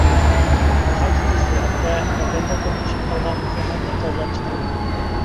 ناھايىتى تېز سۈرئەتتە بەدەندە توپلىشىپ قالغان زەھەرنى تازىلاپ چىقىرىدۇ.